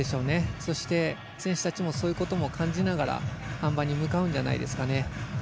そして、選手たちもそういうことも感じながらあん馬に向かうんじゃないですかね。